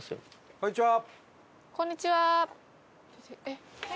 こんにちは。